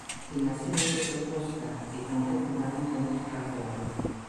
¡Imaxinen que proposta e con que fundamento máis razoado!